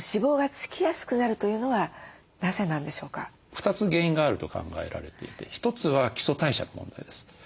２つ原因があると考えられていて１つは基礎代謝の問題です。